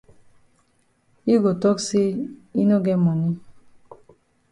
Yi go tok say yi no get moni.